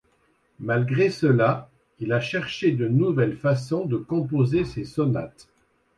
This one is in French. Malgré cela, il a cherché de nouvelles façons de composer ses sonates.